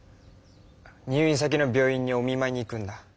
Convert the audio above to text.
入院先の病院にお見まいに行くんだ。